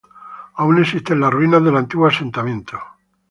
Aún existen las ruinas del antiguo asentamiento.